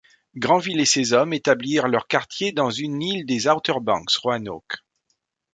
Grenville et ses hommes établirent leurs quartiers dans une île des Outer Banks, Roanoke.